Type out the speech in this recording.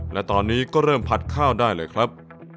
และตอนนี้ก็เริ่มผัดข้าวได้เลยครับ